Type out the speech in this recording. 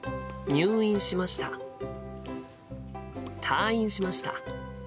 退院しました。